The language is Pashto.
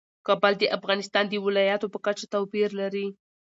کابل د افغانستان د ولایاتو په کچه توپیر لري.